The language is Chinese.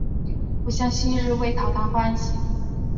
不像昔日为了讨他喜欢